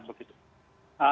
nah ini jadi pertimbangan